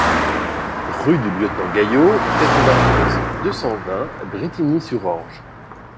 Rue du Lieutenant Gayot, quatre-vingt-onze, deux cent vingt Brétigny-sur-Orge